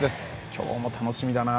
今日も楽しみだな。